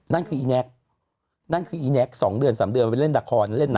นั่นคืออีแน็กนั่นคืออีแน็ก๒เดือน๓เดือนไปเล่นละครเล่นหนัง